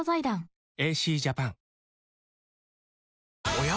おや？